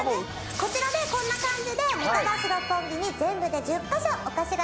こちらでこんな感じでメタバース六本木に全部で１０カ所お菓子が隠されています。